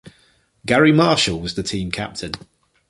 Gary Marshall was the team captain.